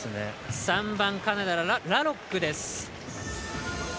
３番、カナダのラロックです。